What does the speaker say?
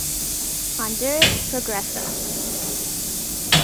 Honduras Progreso.